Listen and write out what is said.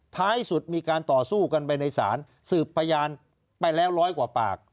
ท้ายสุดมีการต่อสู้กันไปในศาลสืบพยานไปแล้วร้อยกว่าปาก